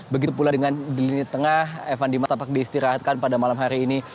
begitu pula dengan di lini tengah evan dimas tampak diistirahatkan pada malam hari ini